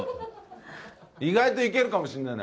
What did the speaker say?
意外といけるかもしんないな。